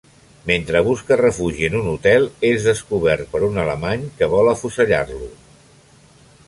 Mentre busca refugi en un hotel, és descobert per un alemany que vol afusellar-lo.